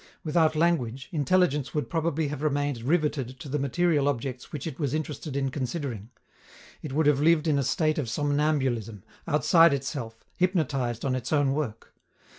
Without language, intelligence would probably have remained riveted to the material objects which it was interested in considering. It would have lived in a state of somnambulism, outside itself, hypnotized on its own work.